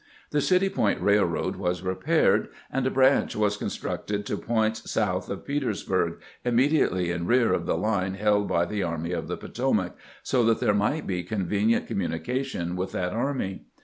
The City Point Eailroad was repaired, and a branch was constructed to points south of Peters burg, immediately in rear of the line held by the Army of the Potomac, so that there might be convenient com munication with that army.